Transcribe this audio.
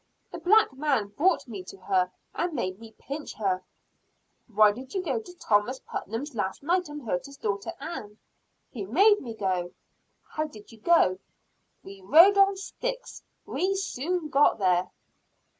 "The black man brought me to her, and made me pinch her." "Why did you go to Thomas Putnam's last night and hurt his daughter Ann?" "He made me go." "How did you go?" "We rode on sticks; we soon got there."